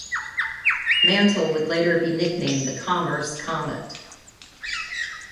Mantle would later be nicknamed The Commerce Comet.